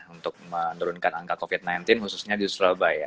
untuk menurunkan angka covid sembilan belas khususnya di surabaya